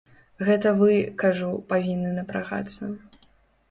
Гэта вы, кажу, павінны напрагацца.